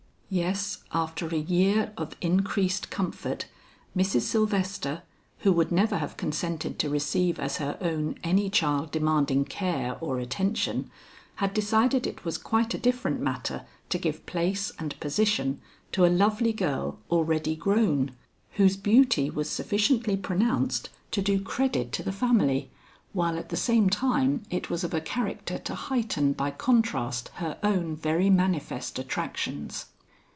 Yes, after a year of increased comfort, Mrs. Sylvester, who would never have consented to receive as her own any child demanding care or attention, had decided it was quite a different matter to give place and position to a lovely girl already grown, whose beauty was sufficiently pronounced to do credit to the family while at the same time it was of a character to heighten by contrast her own very manifest attractions.